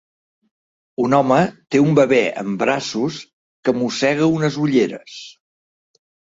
Un home té un bebè en braços que mossega unes ulleres.